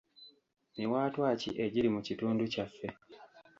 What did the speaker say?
Miwaatwa ki egiri mu kitundu kyaffe?